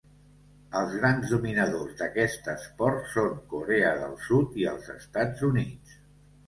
Els grans dominadors d'aquest esport són Corea del Sud i els Estats Units.